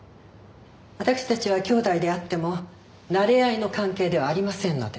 私たちは姉弟であっても慣れ合いの関係ではありませんので。